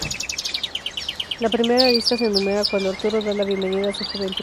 La primera lista se enumera cuando Arturo da la bienvenida a su joven primo.